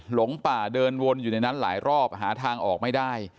หลงป่าเดินวนอยู่ในนั้นหลายรอบหาทางออกไม่ได้